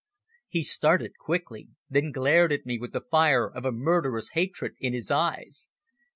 He started quickly, then glared at me with the fire of a murderous hatred in his eyes.